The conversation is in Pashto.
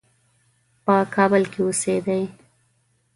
په کابل کې اوسېدی.